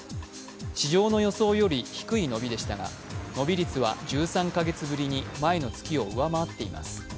市場の予想より低い伸びでしたが、伸び率は１３か月ぶりに前の月を上回っています。